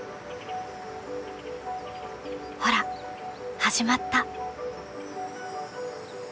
ほら始まった。